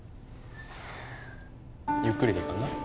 ゆっくりでいいからな